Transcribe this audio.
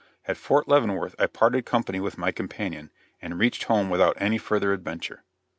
At Fort Leavenworth I parted company with my companion, and reached home without any further adventure.